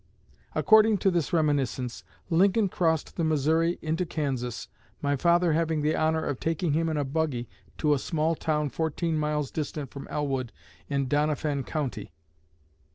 According to this reminiscence, Lincoln crossed the Missouri into Kansas, my father having the honor of taking him in a buggy to a small town fourteen miles distant from Elwood in Doniphan County.